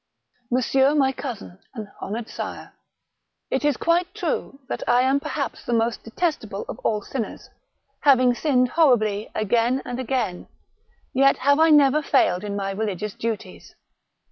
"Monsieur my Cousin and Honoured Sire, —" It is quite true that I am perhaps the most detestable of all sinners, having sinned horribly again and again, yet have I never failed in my religious duties.